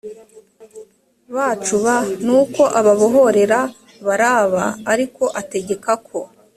bacu b nuko ababohorera baraba ariko ategeka ko